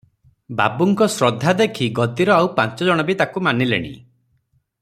ବାବୁଙ୍କ ଶ୍ରଦ୍ଧା ଦେଖି ଗଦିର ଆଇ ପାଞ୍ଚଜଣ ବି ତାକୁ ମାନିଲେଣି ।